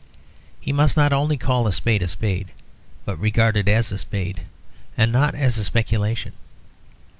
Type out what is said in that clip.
He must not only call a spade a spade, but regard it as a spade and not as a speculation.